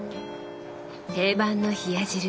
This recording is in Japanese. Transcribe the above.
定番の冷や汁